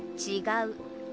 違う。